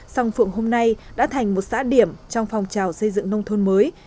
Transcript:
song phượng hôm nay đã thành một xã điểm trong phong trào xây dựng nông thôn mới